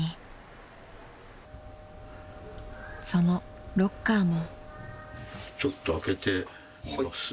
［そのロッカーも］